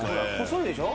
細いでしょ？